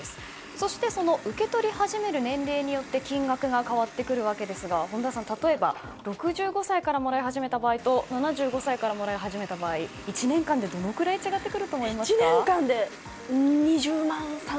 そして受け取り始める年齢によって金額が変わってくるわけですが本田さん例えば６５歳からもらい始めた場合と７５歳からもらい始めた場合１年間で、どのくらい違ってくると思いますか？